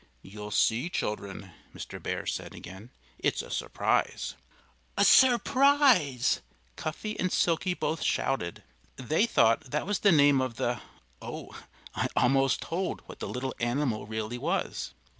"You'll see, children," Mr. Bear said again. "It's a surprise." "A surprise!" Cuffy and Silkie both shouted. They thought that was the name of the oh! I almost told what the little animal really was.